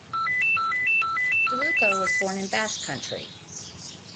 De Luco was born in Basque Country.